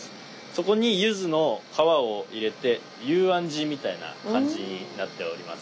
そこにゆずの皮を入れて幽庵地みたいな感じになっております。